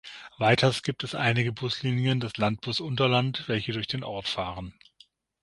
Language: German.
Weiters gibt es einige Buslinien des Landbus Unterland welche durch den Ort fahren.